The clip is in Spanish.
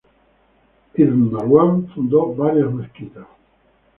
Ibn Marwan fundó varias mezquitas.